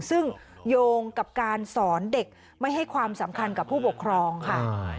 ซึ่งโยงกับการสอนเด็กไม่ให้ความสำคัญกับผู้ปกครองค่ะ